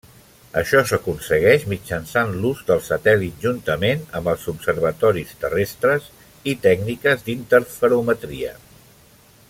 Això s'aconsegueix mitjançant l'ús del satèl·lit juntament amb els observatoris terrestres i tècniques d'interferometria.